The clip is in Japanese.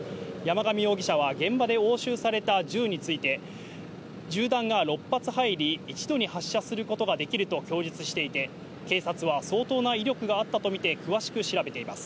山上容疑者は現場で押収された銃について銃弾が６発入り、一度に発射することができると供述していて、警察は相当な威力があったとみて詳しく調べています。